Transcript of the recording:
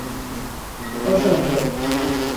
Poxoréu